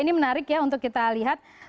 ini menarik ya untuk kita lihat